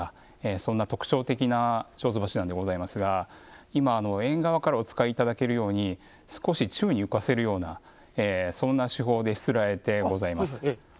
そんな特徴的なちょうず鉢なんでございますが今縁側からお使いいただけるように少し宙に浮かせるようなそんな手法でしつらえてございます。